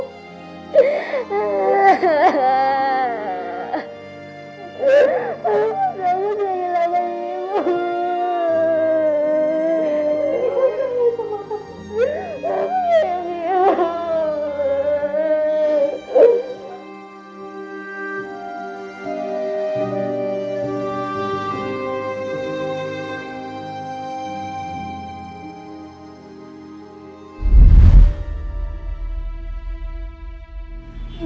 ibu sangat berani sama ibu